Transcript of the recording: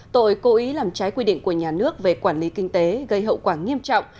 tội cố ý làm trái quy định của nhà nước về quản lý kinh tế gây hậu quả nghiêm trọng